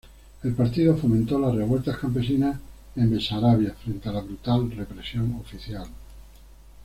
El partido fomentó las revueltas campesinas en Besarabia frente a la brutal represión oficial.